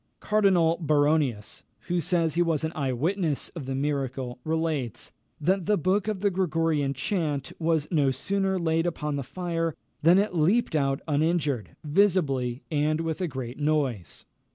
Cardinal Baronius, who says he was an eye witness of the miracle, relates, that the book of the Gregorian chant was no sooner laid upon the fire, than it leaped out uninjured, visibly, and with a great noise.